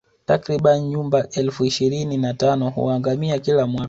Takribani nyumbu elfu ishirini na tano huangamia kila mwaka